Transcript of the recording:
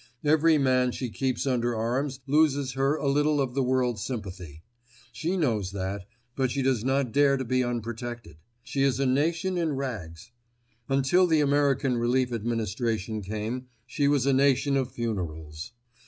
Every man she keeps under arms loses her a little of the world's sympathy. She knows that, but she does not dare to be unprotected. She is a nation in rags. Until the American Relief Administration came, she was a nation of funerals.